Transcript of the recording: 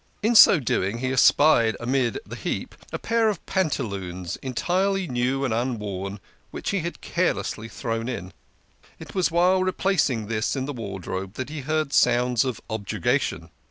In so doing he espied amid the heap a pair of panta loons entirely new and unworn which he had carelessly thrown in. It was while replacing this in the wardrobe that he heard sounds of objurgation.